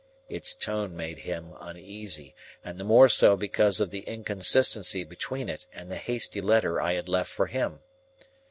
Its tone made him uneasy, and the more so because of the inconsistency between it and the hasty letter I had left for him.